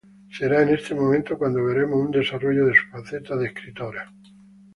Será en este momento cuando veremos un desarrollo de su faceta de escritora.